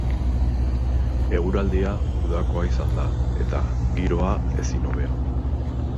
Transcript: Eguraldia udakoa izan da, eta giroa, ezinhobea.